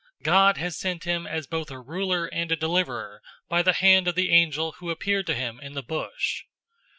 God has sent him as both a ruler and a deliverer by the hand of the angel who appeared to him in the bush.